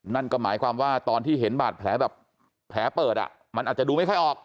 นั่นก็หมายความว่าตอนที่เห็นบาดแผลแบบแผลเปิดอ่ะมันอาจจะดูไม่ค่อยออก